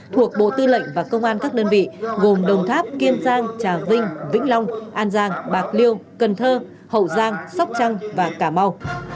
thuộc bộ tư lệnh và công an các đơn vị gồm đồng tháp kiên giang trà vinh vĩnh long an giang bạc liêu cần thơ hậu giang sóc trăng và cà mau